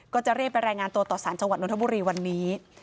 ก็จะเรียนเป็นแรงงานตัวต่อสารชาวรรณบุรีวันนี้